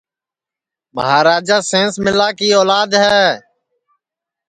مہاراجا سینس ملا کی اولاد ہے